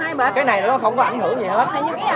cái này nó không có ảnh hưởng gì hết